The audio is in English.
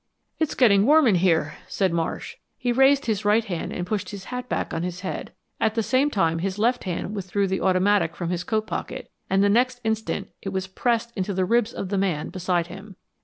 "It's getting warm in here," said Marsh. He raised his right hand and pushed his hat back on his head. At the same time his left hand withdrew the automatic from his coat pocket and the next instant it was pressed into the ribs of the man beside him.